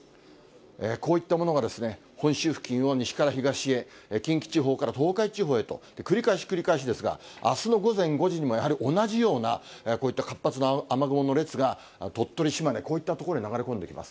こういったものがですね、本州付近を西から東へ、近畿地方から東海地方へと、繰り返し繰り返しですが、あすの午前５時にもやはり同じような、こういった活発な雨雲の列が鳥取、島根、こういった所へ流れ込んできます。